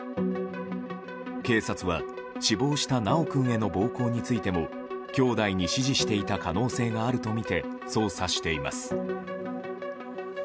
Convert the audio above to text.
警察は死亡した修君への暴行についてもきょうだいに指示していた可能性があるとみて捜査しています。